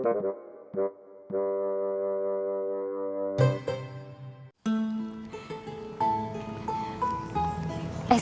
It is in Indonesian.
dia aja pelatihan